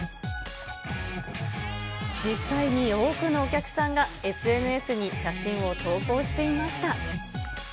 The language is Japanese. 実際に多くのお客さんがＳＮＳに写真を投稿していました。